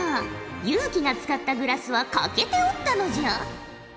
有輝が使ったグラスは欠けておったのじゃ。